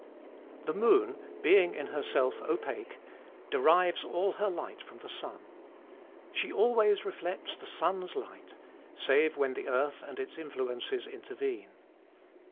The moon, being in herself opaque, derives all her light from the sun. She always reflects the sun's light, save when earth and its influences intervene.